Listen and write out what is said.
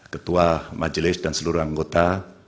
ketua majelis dan seluruh anggota